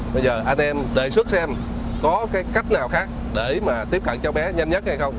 bây giờ anh em đề xuất xem có cái cách nào khác để mà tiếp cận cho bé nhanh nhất hay không